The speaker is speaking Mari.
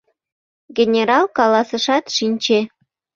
— генерал каласышат, шинче.